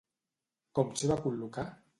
Com s'hi va col·locar?